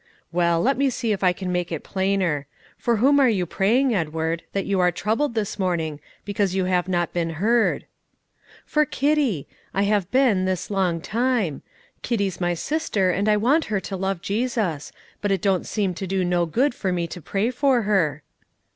"Well, let me see if I can make it plainer. For whom are you praying, Edward, that you are troubled this morning, because you have not been heard?" "For Kitty; I have been, this long time. Kitty's my sister, and I want her to love Jesus; but it don't seem to do any good for me to pray for her.